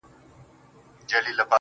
• وركه يې كړه.